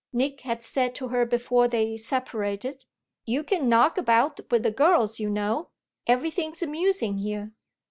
Nick had said to her before they separated: "You can knock about with the girls, you know; everything's amusing here."